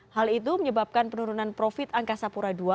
hal itu menyebabkan penurunan profit angkasa pura ii